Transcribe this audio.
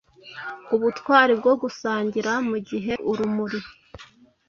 Ubutwari bwo gusangiramugihe urumuri-